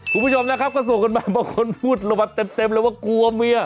คุณผู้ชมนะครับก็ส่งกันมาบางคนพูดลงมาเต็มเลยว่ากลัวเมีย